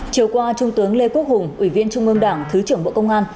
chiều qua trung tướng lê quốc hùng ủy viên trung ương đảng thứ trưởng bộ công an